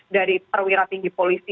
dari perwira tinggi polisi